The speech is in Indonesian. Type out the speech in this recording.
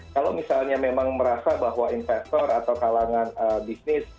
kalau misalnya memang merasa bahwa investor atau kalangan bisnis